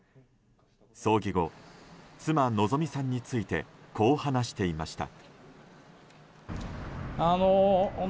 葬儀後、妻・希美さんについてこう話していました。